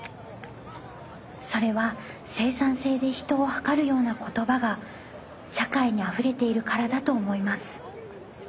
それは生産性で人をはかるような言葉が社会にあふれているからだと思います。